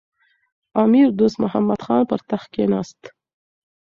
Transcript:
امیر دوست محمد خان پر تخت کښېناست.